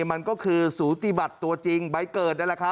มันก็คือสูติบัตรตัวจริงใบเกิด